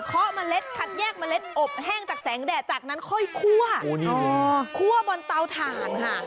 เมล็ดคัดแยกเมล็ดอบแห้งจากแสงแดดจากนั้นค่อยคั่วคั่วบนเตาถ่านค่ะ